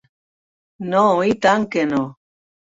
No, i tant que no.